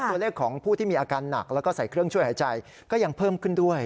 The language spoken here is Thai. ตัวเลขของผู้ที่มีอาการหนักแล้วก็ใส่เครื่องช่วยหายใจก็ยังเพิ่มขึ้นด้วย